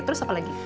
terus apa lagi